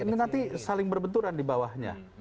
ini nanti saling berbenturan di bawahnya